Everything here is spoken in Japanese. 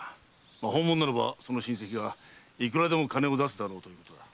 まあ本物ならばその親戚がいくらでも金を出すだろうと。